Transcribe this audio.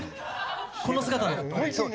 この姿で？